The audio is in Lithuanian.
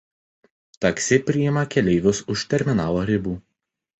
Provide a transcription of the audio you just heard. Taksi priima keleivius už terminalo ribų.